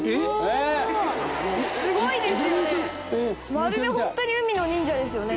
「まるで本当に海の忍者ですよね」